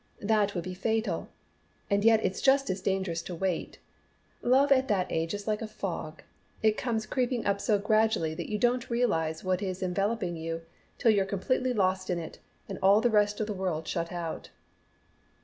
That would be fatal, and yet it's just as dangerous to wait. Love at that age is like a fog. It comes creeping up so gradually that you don't realize what is enveloping you, till you're completely lost in it, and all the rest of the world shut out."